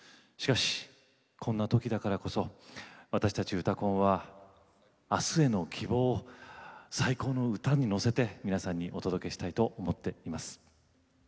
しかしこんなときだからこそ私たち「うたコン」はあすへの希望を最高の歌に乗せて皆さんにお届けしたいと思っています。